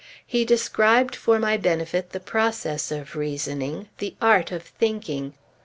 He described for my benefit the process of reasoning, the art of thinking.